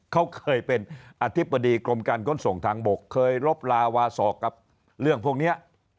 เขาเคยเป็นอธิบดีกรมการขนส่งทางบกเคยลบลาวาสอกกับเรื่องพวกนี้